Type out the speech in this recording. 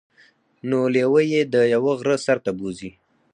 نو لیوه يې د یوه غره سر ته بوځي.